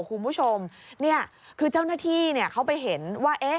คุณผู้ชมคือเจ้าหน้าที่เขาไปเห็นว่า